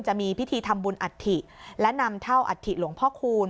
จะมีพิธีทำบุญอัฐิและนำเท่าอัฐิหลวงพ่อคูณ